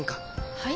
はい？